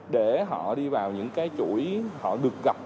để họ đi vào những cái chuỗi họ được gặp